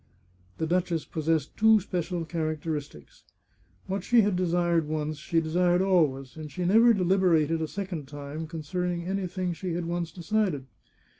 The duchess possessed two special characteristics. What she had desired once she desired always, and she never de liberated a second time concerning anything she had once decided.